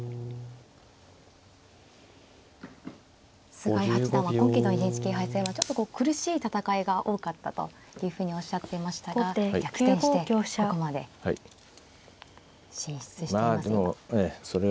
菅井八段は今期のＮＨＫ杯戦はちょっと苦しい戦いが多かったというふうにおっしゃっていましたが逆転してここまで進出していますが。